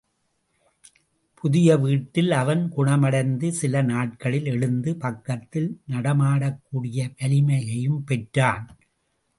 புதிய வீட்டில் அவன் குணமடைந்து சிலநாட்களில் எழுந்து பக்கத்தில் நடமாடக்கூடிய வலிமையும் பெற்றான்.